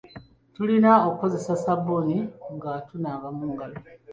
Tulina okukozesa ssabbuuni nga tunaaba engalo.